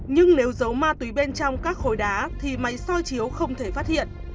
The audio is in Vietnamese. nhưng nếu giấu ma túy bên trong các khối đá thì máy soi chiếu không thể phát hiện